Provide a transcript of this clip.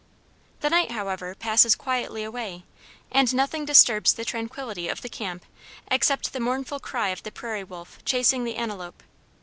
The night, however, passes quietly away, and nothing disturbs the tranquility of the camp except the mournful cry of the prairie wolf chasing the antelope.